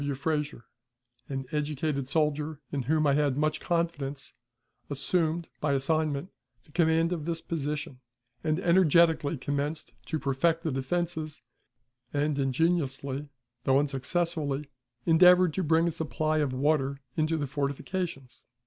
W. Frazier, an educated soldier in whom I had much confidence, assumed, by assignment, the command of this position, and energetically commenced to perfect the defenses, and ingeniously though unsuccessfully endeavored to bring a supply of water into the fortifications.